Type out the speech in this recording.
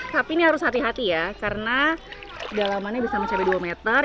tapi ini harus hati hati ya karena kedalamannya bisa mencapai dua meter